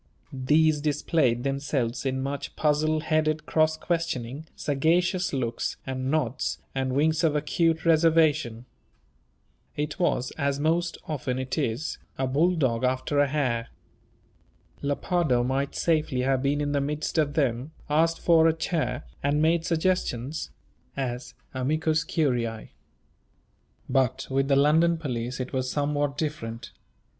These displayed themselves in much puzzle headed cross questioning, sagacious looks, and nods, and winks of acute reservation. It was, as most often it is, a bulldog after a hare. Lepardo might safely have been in the midst of them, asked for a chair, and made suggestions. as "amicus curiæ." But with the London police it was somewhat different.